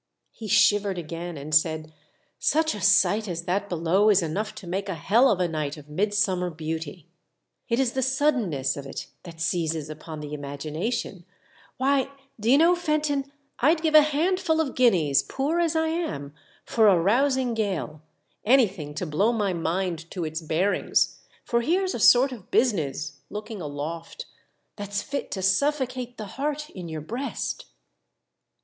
He shivered again and said, "Such a sight as that below is enough to make a Hell of a night of mid summer beauty! It is the suddenness of it that seizes upon the imagination Why, d'ye know, Fenton, I'd give a handful of guineas, poor as I am, for a rousing gale — anything to blow my mind to its bearings, for here's a sort of business," looking aloft, " that's fit to suffocate the heart in your breast."